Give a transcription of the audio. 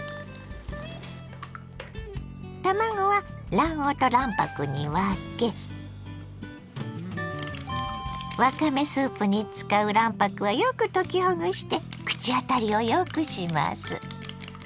卵は卵黄と卵白に分けわかめスープに使う卵白はよく溶きほぐして口当たりをよくします。